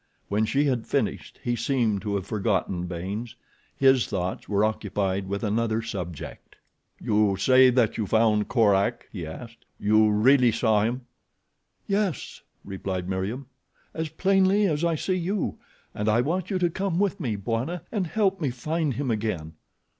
When she had finished he seemed to have forgotten Baynes. His thoughts were occupied with another subject. "You say that you found Korak?" he asked. "You really saw him?" "Yes," replied Meriem; "as plainly as I see you, and I want you to come with me, Bwana, and help me find him again."